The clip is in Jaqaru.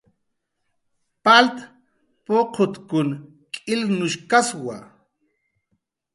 Palt puqutkun k'ilnushkaswa